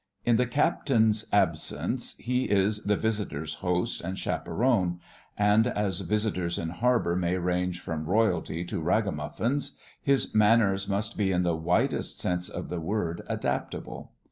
In the Captain's absence he is the visitors' host and chaperone, and as visitors in harbour may range from Royalty to ragamuffins, his manners must be in the widest sense of the word, adaptable.